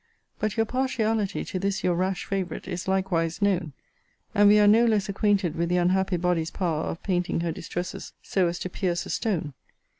But your partiality to this your rash favourite is likewise known. And we are no less acquainted with the unhappy body's power of painting her distresses so as to pierce a stone.